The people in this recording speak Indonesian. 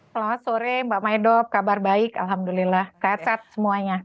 selamat sore mbak maedho kabar baik alhamdulillah kacat semuanya